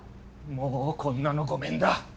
もうこんなのごめんだ！